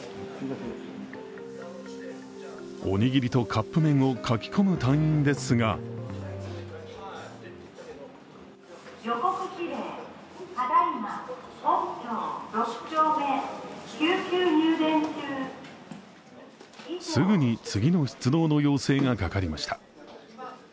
おにぎりとカップ麺をかきこむ隊員ですがすぐに次の出動の要請がかかりました。